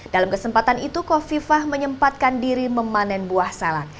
dalam kesempatan itu kofifah menyempatkan diri memanen buah salak